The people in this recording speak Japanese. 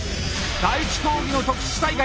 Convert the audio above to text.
第１競技の「特殊災害」